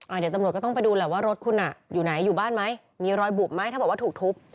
เดี๋ยวตำรวจก็ต้องไปดูแหละว่ารถคุณอ่ะอยู่ไหนอยู่บ้านไหมมีรอยบุบไหมถ้าบอกว่าถูกทุบ